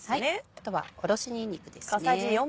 あとはおろしにんにくですね。